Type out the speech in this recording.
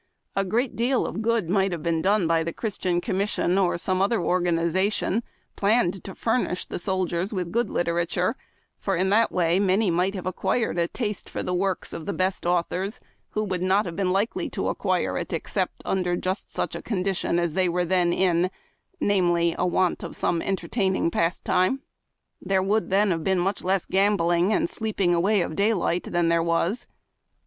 A great deal of good might have been done by the Christian Commission or some other organization planned to furnish the soldiers with good literature, for in that way many might have acquired a taste for the works of the best authors who would not have been likely to acquii'C it except under just such a condition as they were then in, viz.: a want of some entertaining pastime. There would then have been much less gambling and sleeping away of daylight than there was.